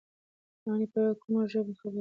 پاڼې په کومه ژبه خبره وکړه؟